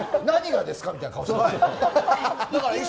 何がですか？